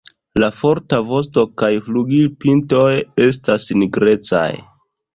La forta vosto kaj flugilpintoj estas nigrecaj.